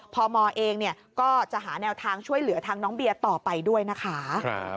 พมเองก็จะหาแนวทางช่วยเหลือทางน้องเบียร์ต่อไปด้วยนะคะ